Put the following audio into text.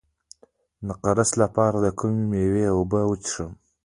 د نقرس لپاره د کومې میوې اوبه وڅښم؟